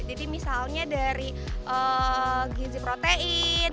jadi misalnya dari gizi protein